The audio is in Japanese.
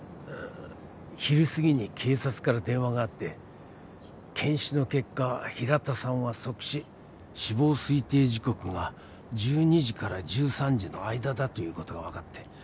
昼すぎに警察から電話があって検視の結果平田さんは即死死亡推定時刻が１２時から１３時の間だということが分かって